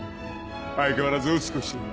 相変わらず美しい。